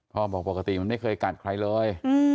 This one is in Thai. บอกปกติมันไม่เคยกัดใครเลย